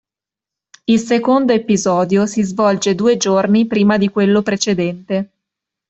Il secondo episodio si svolge due giorni prima di quello precedente.